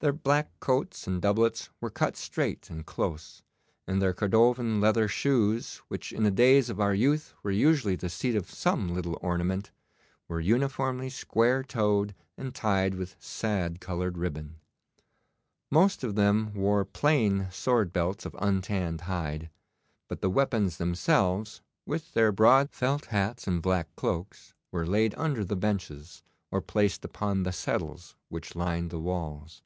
Their black coats and doublets were cut straight and close, and their cordovan leather shoes, which in the days of our youth were usually the seat of some little ornament, were uniformly square toed and tied with sad coloured ribbon. Most of them wore plain sword belts of untanned hide, but the weapons themselves, with their broad felt hats and black cloaks, were laid under the benches or placed upon the settles which lined the walls.